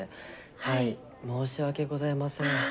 はい申し訳ございません。